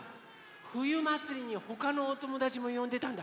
ふゆまつりにほかのおともだちもよんでたんだ。